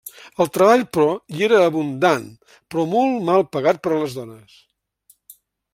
El treball, però, hi era abundant però molt mal pagat per a les dones.